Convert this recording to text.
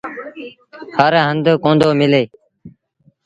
هر هنڌ ڪوندو ملي۔